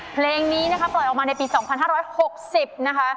เพลงนี้นะคะปล่อยออกมาในปี๒๕๖๐นะคะ